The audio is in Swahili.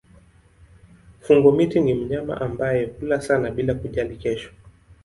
Fungo-miti ni mnyama ambaye hula sana bila kujali kesho.